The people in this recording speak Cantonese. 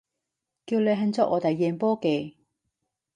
叫嚟慶祝我哋贏波嘅